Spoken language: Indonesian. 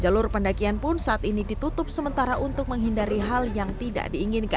jalur pendakian pun saat ini ditutup sementara untuk menghindari hal yang tidak diinginkan